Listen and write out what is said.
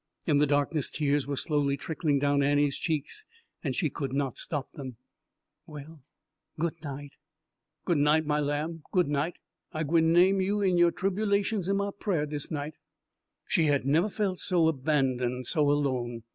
In the darkness tears were slowly trickling down Annie's cheeks, and she could not stop them. "Well good night." "Good night, my lamb, good night. I gwi' name you en your tribulations in my prayers dis night." She had never felt so abandoned, so alone.